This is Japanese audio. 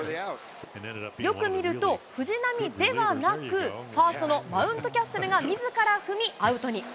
よく見ると、藤浪ではなく、ファーストのマウントキャッスルがみずから踏み、アウトに。